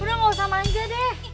udah nggak usah manja deh